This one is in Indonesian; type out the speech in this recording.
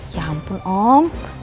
ya ampun om